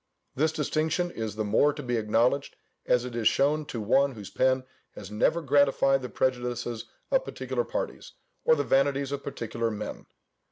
This distinction is the more to be acknowledged, as it is shown to one whose pen has never gratified the prejudices of particular parties, or the vanities of particular men.